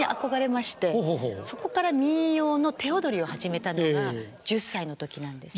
そこから民謡の手踊りを始めたのが１０歳の時なんです。